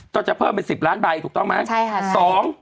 ต้องจะเพิ่มไป๑๐ล้านใบถูกต้องไหม๒